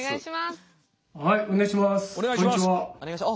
はいお願いします。